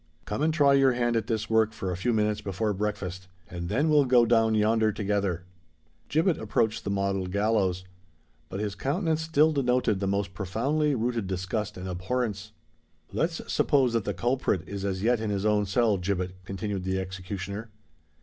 "Come and try your hand at this work for a few minutes before breakfast; and then we'll go down yonder together." Gibbet approached the model gallows; but his countenance still denoted the most profoundly rooted disgust and abhorrence. "Let's suppose that the culprit is as yet in his own cell, Gibbet," continued the executioner.